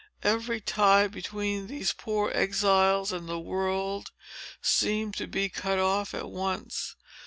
Every tie between these poor exiles and the world seemed to be cut off at once.